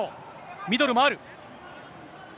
ミドルもある。